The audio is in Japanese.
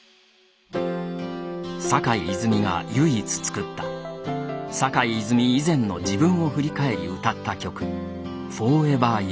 坂井泉水が唯一作った坂井泉水以前の自分を振り返り歌った曲「Ｆｏｒｅｖｅｒｙｏｕ」。